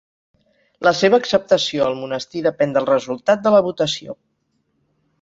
La seva acceptació al monestir depèn del resultat de la votació.